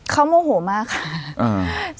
เขาโมโหมากค่ะ